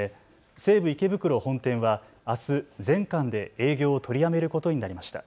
西武池袋本店はあす、全館で営業を取りやめることになりました。